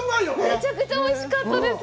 めちゃくちゃおいしかったです。